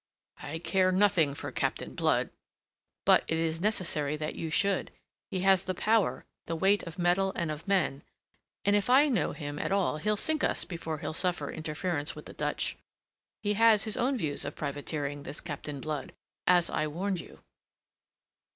"I care nothing for Captain Blood...." "But it is necessary that you should. He has the power, the weight of metal and of men, and if I know him at all he'll sink us before he'll suffer interference with the Dutch. He has his own views of privateering, this Captain Blood, as I warned you."